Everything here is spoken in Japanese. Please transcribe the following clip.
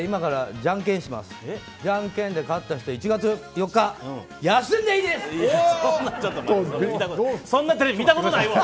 じゃんけんで勝った人１月４日休んでいいです！